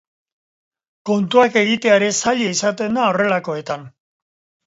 Kontuak egitea ere zaila izaten da horrelakoetan.